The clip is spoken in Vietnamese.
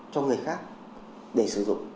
cho người khác để sử dụng